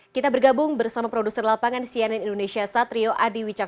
kita bergabung bersama produser lapangan cnn indonesia satrio adi wicak